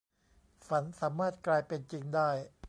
ฝันสามารถกลายเป็นจริงได้